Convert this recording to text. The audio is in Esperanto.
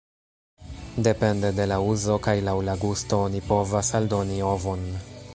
Depende de la uzo kaj laŭ la gusto oni povas aldoni ovon.